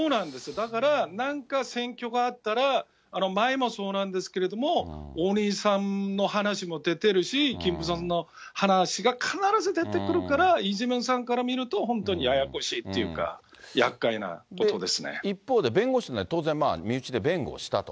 だから、なんか選挙があったら、前もそうなんですけれども、お兄さんの話も出てるし、キム・ブソンの話が必ず出てくるから、イ・ジェミョンさんから見ると本当にややこしいというか、やっか一方で、弁護士ですから、身内で弁護したと。